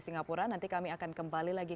singapura nanti kami akan kembali lagi